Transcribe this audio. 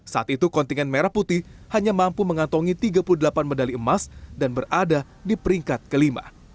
saat itu kontingen merah putih hanya mampu mengantongi tiga puluh delapan medali emas dan berada di peringkat kelima